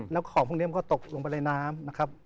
แล้วของพวกนี้มันก็ตกลงไปในน้ำนะครับ